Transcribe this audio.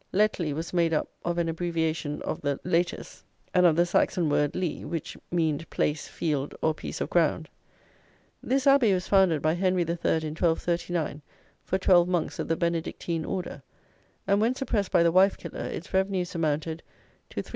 Letley was made up of an abbreviation of the Lætus and of the Saxon word ley, which meaned place, field, or piece of ground. This Abbey was founded by Henry III. in 1239, for 12 Monks of the Benedictine order; and when suppressed by the wife killer, its revenues amounted to 3,200_l.